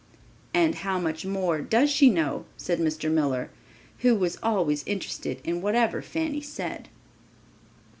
"And how much more does she know?" said Mr. Miller, who was always interested in whatever Fanny said.